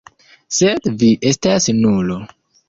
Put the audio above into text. Sed vi estas nulo.